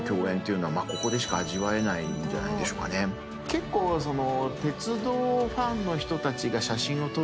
結構その。